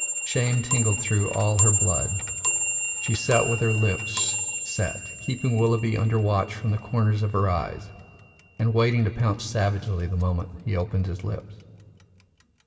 Shame tingled through all her blood; she sat with her lips set, keeping Willoughby under watch from the corners of her eyes, and waiting to pounce savagely the moment he opened his lips.